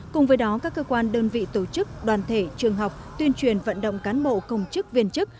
cùng với đó các cơ quan đơn vị tổ chức đoàn thể trường học tuyên truyền vận động cán bộ công chức viên chức